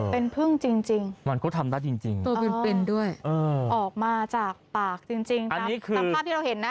เป็นพึ่งจริงมันก็ทำได้จริงตัวเป็นด้วยออกมาจากปากจริงตามภาพที่เราเห็นนะ